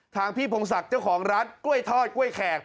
พี่พงศักดิ์เจ้าของร้านกล้วยทอดกล้วยแขก